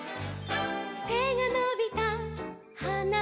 「せがのびたはなたち」